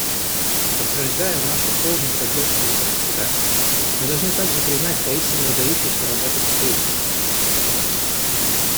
Подтверждая нашу полную поддержку работы Суда, мы должны также признать поистине выдающуюся работу судей.